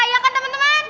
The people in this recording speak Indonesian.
iya kan temen temen